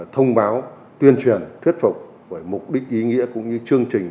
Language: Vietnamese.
thông báo tuyên truyền thuyết phục với mục đích ý nghĩa cũng như chương trình